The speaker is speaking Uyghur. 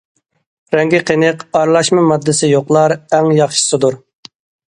رەڭگى قېنىق، ئارىلاشما ماددىسى يوقلار ئەڭ ياخشىسىدۇر.